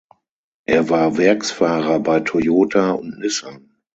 Er war Werksfahrer bei Toyota und Nissan.